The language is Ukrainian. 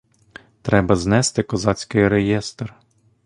Треба знести козацький реєстр.